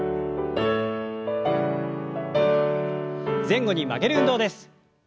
前後に曲げる運動です。